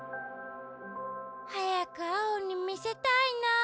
はやくアオにみせたいなあ。